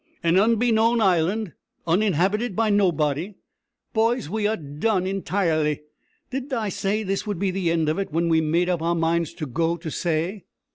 "An unbeknown island, uninhabited by nobody. Boys, we are done for intirely. Didn't I say this would be the end of it, when we made up our minds to go to say?"